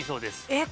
えっ